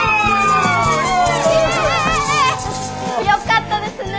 イエイ！よかったですね